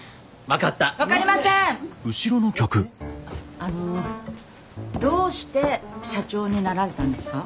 あのどうして社長になられたんですか？